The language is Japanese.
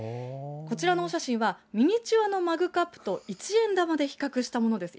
こちらのお写真はミニチュアのマグカップと一円玉で比較したものです。